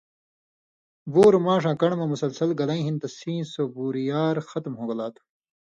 بوروۡ ماݜاں کن٘ڑہۡ مہ مسلسل گلَیں ہِن تسیں سو بُوریار ختم ہوگلا تُھو۔